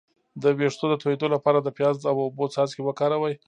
د ویښتو د تویدو لپاره د پیاز او اوبو څاڅکي وکاروئ